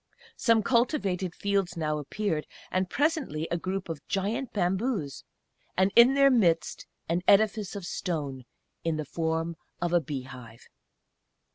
Some cultivated fields now appeared, and presently a group of giant bamboos, and in their midst an edifice of stone, in the form of a bee hive.